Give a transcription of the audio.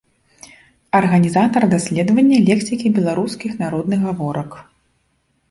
Арганізатар даследавання лексікі беларускіх народных гаворак.